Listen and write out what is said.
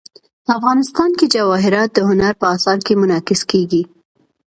افغانستان کې جواهرات د هنر په اثار کې منعکس کېږي.